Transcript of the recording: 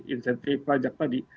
insentif pajak tadi